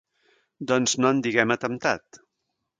Doncs no en diguem atemptat.